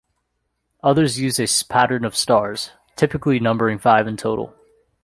Others use a pattern of stars, typically numbering five in total.